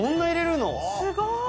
すごーい